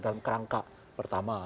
dalam kerangka pertama